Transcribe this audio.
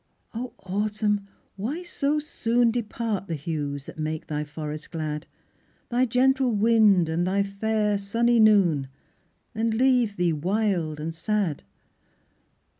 Oh, Autumn! why so soon Depart the hues that make thy forests glad, Thy gentle wind and thy fair sunny noon, And leave thee wild and sad!